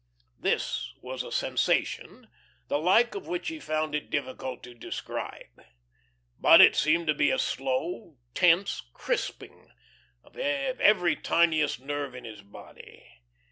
This was a sensation, the like of which he found it difficult to describe. But it seemed to be a slow, tense crisping of every tiniest nerve in his body.